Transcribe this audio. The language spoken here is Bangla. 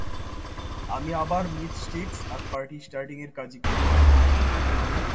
আমি আবার মীট-স্টিক্স আর পার্টি স্টার্টিংয়ের কাজই করবো।